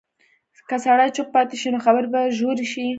که سړی چوپ پاتې شي، نو خبرې به ژورې شي.